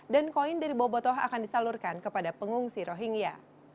dan koin dari bobotoh akan disalurkan kepada pengungsi rohingya